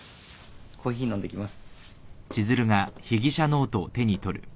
コーヒー飲んできます。